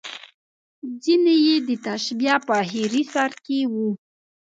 ځینې یې د تشبیه په اخري سر کې وو.